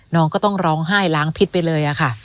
น้องก็ต้องร้องไห้ล้างพิษไปเลยค่ะ